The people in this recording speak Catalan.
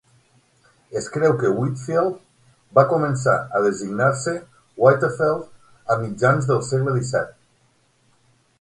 Es creu que Whitfield va començar a designar-se "Whytefeld" a mitjans del segle XVII.